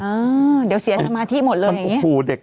อ้าวเดี๋ยวเสียสมาธิหมดเลยอย่างนี้